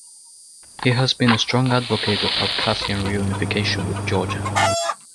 He has been a strong advocate of Abkhazian reunification with Georgia.